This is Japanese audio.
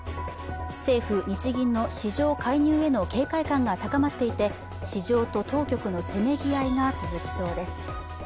政府・日銀の市場介入への警戒感が高まっていて、市場と当局のせめぎ合いが続きそうです。